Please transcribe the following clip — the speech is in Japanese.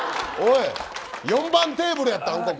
４番テーブルやったん、ここ。